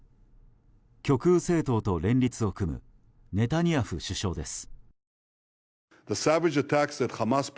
極右政党と連立を組むネタニヤフ首相です。